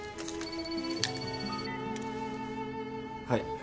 はい。